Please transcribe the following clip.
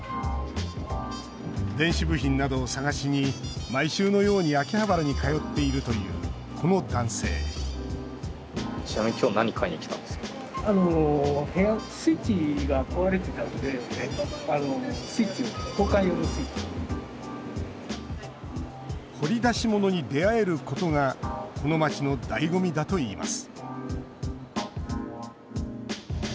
電子部品などを探しに毎週のように秋葉原に通っているというこの男性掘り出し物に出会えることがこの街の醍醐味だといいます